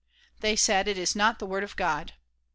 They said "It is not the Word of God."